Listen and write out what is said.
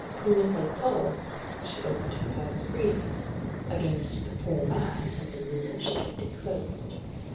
"Pour les pauvres" she opened her purse freely against the poor man, as a rule, she kept it closed.